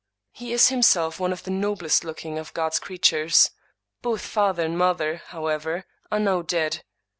He is himself one of the noblest looking of God's creatures. Both father and mother, however, are now dead.